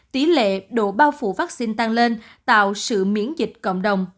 tỷ lệ độ bao phủ vaccine tăng lên tạo sự miễn dịch cộng đồng